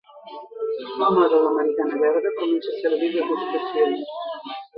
L'home de l'americana verda comença a servir degustacions.